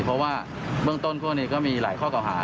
เพราะว่าเบื้องต้นพวกนี้ก็มีหลายข้อเก่าหา